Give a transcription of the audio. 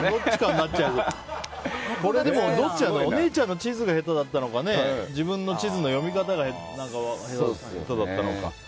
これ、どっちなんだろうお姉ちゃんの地図が下手だったのか自分の地図の読み方が下手だったのか。